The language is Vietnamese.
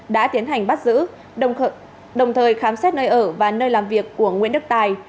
đã tiến hành bắt giữ đồng thời khám xét nơi ở và nơi làm việc của nguyễn đức tài